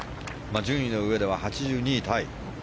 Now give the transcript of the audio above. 順位のうえでは８２位タイ。